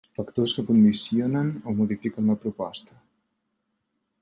Factors que condicionen o modifiquen la proposta.